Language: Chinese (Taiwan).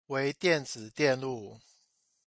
微電子電路